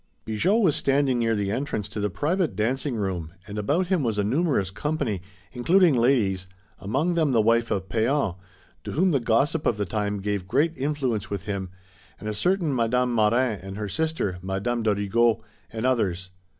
Bigot was standing near the entrance to the private dancing room, and about him was a numerous company, including ladies, among them the wife of Pean, to whom the gossip of the time gave great influence with him, and a certain Madame Marin and her sister, Madame de Rigaud, and others.